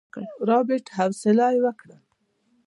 رابرټ اسويلى وکړ.